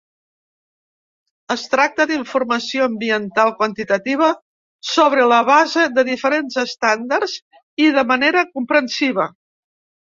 Es tracta d'informació ambiental quantitativa sobre la base de diferents estàndards i de manera comprensiva.